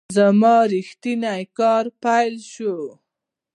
زما ریښتینی کار پیل شو .